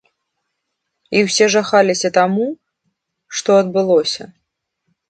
І ўсе жахаліся таму, што адбылося.